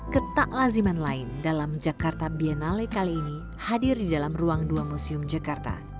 ketak laziman lain dalam jakarta biennale kali ini hadir di dalam ruang dua museum jakarta